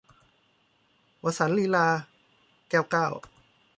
วสันต์ลีลา - แก้วเก้า